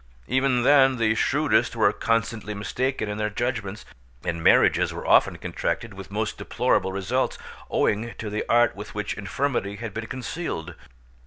Even then the shrewdest were constantly mistaken in their judgements, and marriages were often contracted with most deplorable results, owing to the art with which infirmity had been concealed.